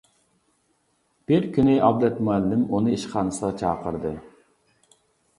بىر كۈنى ئابلەت مۇئەللىم ئۇنى ئىشخانىسىغا چاقىردى.